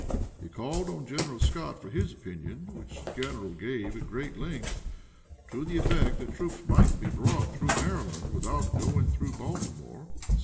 He called on General Scott for his opinion, which the General gave at great length, to the effect that troops might be brought through Maryland without going through Baltimore, etc....